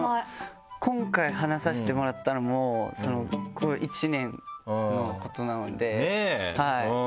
今回話させてもらったのもこの１年のことなので。ねぇ。